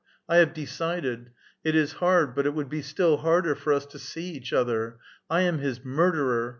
I have decided. It is hard, but it would be still harder for us to see each other. I am his murderer.